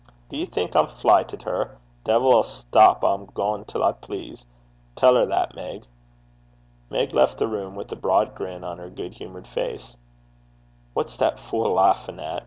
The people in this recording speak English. Duv ye think I'm fleyt at her? De'il a step 'll I gang till I please. Tell her that, Meg.' Meg left the room, with a broad grin on her good humoured face. 'What's the bitch lauchin' at?'